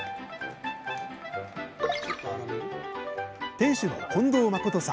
店主の近藤真己人さん。